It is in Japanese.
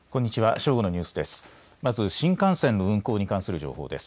正午のニュースです。